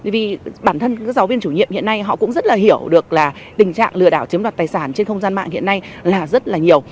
vì bản thân giáo viên chủ nhiệm hiện nay họ cũng rất là hiểu được là tình trạng lừa đảo chiếm đoạt tài sản trên không gian mạng hiện nay là rất là nhiều